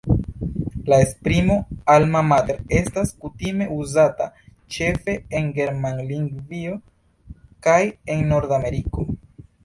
La esprimo "Alma mater" estas kutime uzata ĉefe en Germanlingvio kaj en Nordameriko.